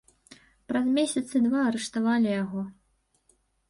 Праз месяцы два арыштавалі яго.